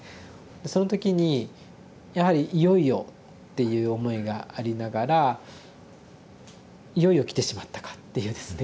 その時にやはり「いよいよ」っていう思いがありながら「いよいよ来てしまったか」っていうですね